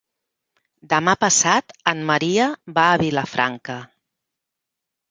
Demà passat en Maria va a Vilafranca.